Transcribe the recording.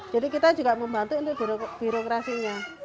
jadi kita juga membantu untuk birokrasinya